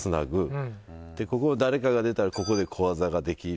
ここ誰かが出たらここで小技ができる。